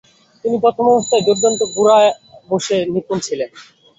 তিনি প্রথম অবস্থায় দুর্দান্ত ঘোড়া বশে নিপুন ছিলেন।